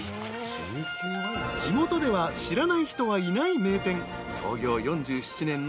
［地元では知らない人はいない名店］